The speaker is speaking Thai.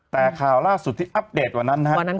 แต่ข่าวล่าสุดที่อัพเดทวันนั้น